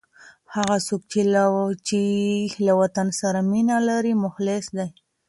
هغه څوک چي له وطن سره مینه لري، مخلص دی.